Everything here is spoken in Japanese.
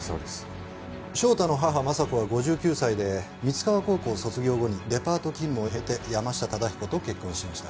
翔太の母昌子は５９歳で三川高校を卒業後にデパート勤務を経て山下忠彦と結婚しました。